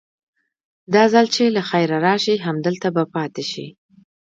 دا ځل چې له خيره راسي همدلته به پاته سي.